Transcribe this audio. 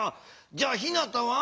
じゃあひなたは？